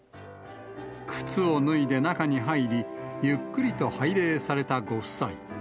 靴を脱いで中に入り、ゆっくりと拝礼されたご夫妻。